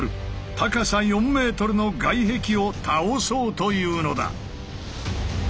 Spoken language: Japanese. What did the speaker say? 高さ４ｍの外壁を倒そうというのだ。